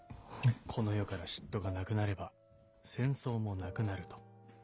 ［この世から嫉妬がなくなれば戦争もなくなると］